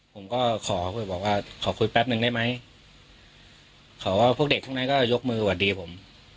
ผมก็ขอคุยบอกว่าขอคุยแป๊บนึงได้ไหมขอว่าพวกเด็กทั้งนั้นก็ยกมือสวัสดีผม